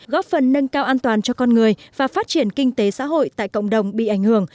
góp phần nâng cao an toàn cho con người và phát triển kinh tế xã hội tại cộng đồng bị ảnh hưởng